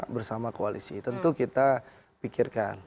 bersama koalisi tentu kita pikirkan